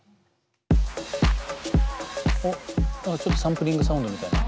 何かちょっとサンプリングサウンドみたいな。